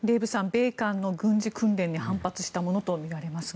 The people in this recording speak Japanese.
米韓の軍事訓練に反発したものとみられますが。